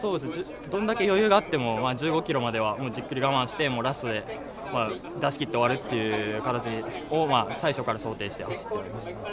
どんだけ余裕があっても１５ｋｍまでは我慢して、ラストで出し切って終わるという形に、最初から想定して走っていました。